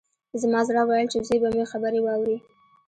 زما زړه ویل چې زوی به مې خبرې واوري